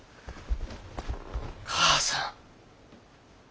母さん。